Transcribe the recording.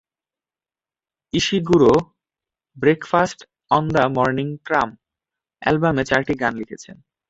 Ishiguro "breakfast on the morning tram" অ্যালবামে চারটি গান লিখেছেন।